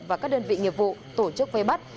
và các đơn vị nghiệp vụ tổ chức vây bắt